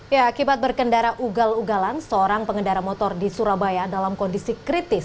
ya akibat berkendara ugal ugalan seorang pengendara motor di surabaya dalam kondisi kritis